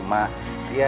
terima kasih mbak